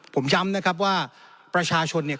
ผมย้ำนะครับว่าประชาชนเนี่ย